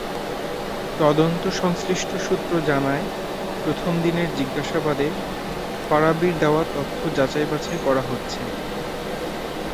তদন্ত-সংশ্লিষ্ট সূত্র জানায়, প্রথম দিনের জিজ্ঞাসাবাদে ফারাবীর দেওয়া তথ্য যাচাই-বাছাই করা হচ্ছে।